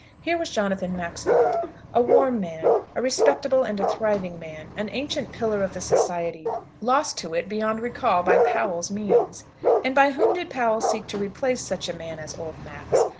Here was Jonathan Maxfield, a warm man, a respectable and a thriving man, an ancient pillar of the Society, lost to it beyond recall by Powell's means! And by whom did Powell seek to replace such a man as old Max?